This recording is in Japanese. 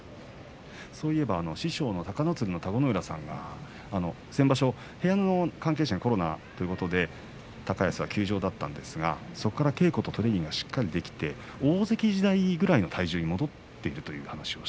そういえば師匠の隆の鶴の田子ノ浦さんが先場所、部屋の関係者がコロナということで高安は休場だったんですがそこから稽古とトレーニングがしっかりできて大関くらいの体重に戻っている